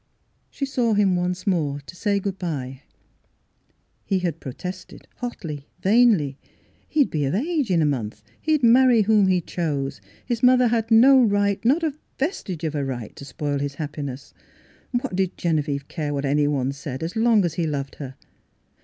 She saw him once more to say good bye. He had protested hotly, vainly. He would be of age in a month. He would marry whom he chose. His mother had no right — not a vestige of a right to spoil his happiness. What did Genevieve care what anyone said, as long as he loved her?